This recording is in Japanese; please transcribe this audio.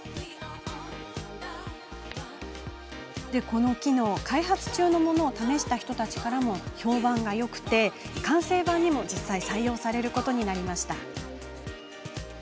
この機能は、開発中のものを試した人たちからも評判がよく完成版にも採用されることになりました。